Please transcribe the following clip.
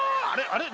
あれ？